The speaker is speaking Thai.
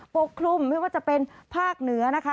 ปกคลุมไม่ว่าจะเป็นภาคเหนือนะคะ